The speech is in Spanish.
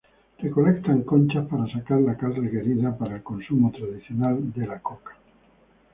Recolectan conchas para sacar la cal requerida para el consumo tradicional de la coca.